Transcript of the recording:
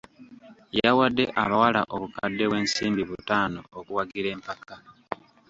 Yawadde abawala obukadde bw'ensimbi butaano okuwagira empaka.